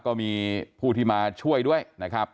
ก็มีผู้ที่มาช่วยด้วยนะครับ